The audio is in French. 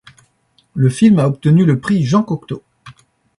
Le film a obtenu le prix Jean-Cocteau.